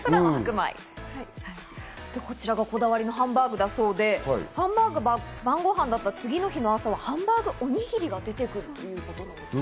こちらがこだわりのハンバーグだそうで、ハンバーグが晩ごはんだった次の日の朝は、ハンバーグおにぎりが出てくるということですね。